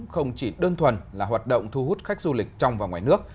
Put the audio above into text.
không chỉ đơn thuần là hoạt động thu hút khách du lịch trong và ngoài nước